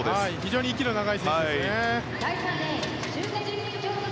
非常に息の長い選手ですね。